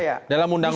ini menurut saya